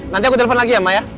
nanti aku telepon lagi ya mbak ya